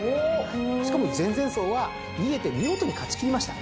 しかも前々走は逃げて見事に勝ち切りました。